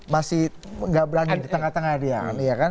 masih gak berani di tengah tengah dia kan